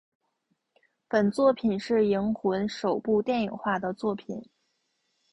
本作品是银魂首部电影化的作品。